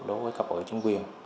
đối với cấp hội chính quyền